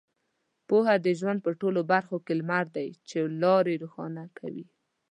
پوهه د ژوند په ټولو برخو کې لمر دی چې لارې روښانه کوي.